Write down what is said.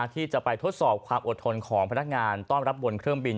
ที่จะไปทดสอบความอดทนของพนักงานต้อนรับบนเครื่องบิน